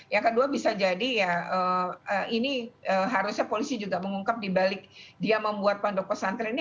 yang kedua bisa jadi ya ini harusnya polisi juga mengungkap dibalik dia membuat pondok pesantren ini